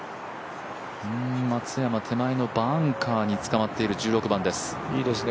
松山、手前のバンカーにつかまっている１６番です。